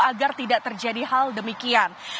agar tidak terjadi hal demikian